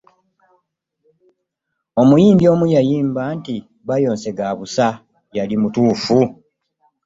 Omuyimbi omu yayimba nti bayonse ga busa yali mutuufu!